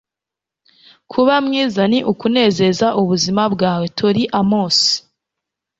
kuba mwiza ni ukunezeza ubuzima bwawe. - tori amos